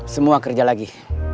semua kerja lagi